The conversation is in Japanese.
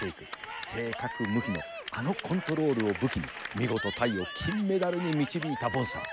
正確無比のあのコントロールを武器に見事タイを金メダルに導いたボンサー。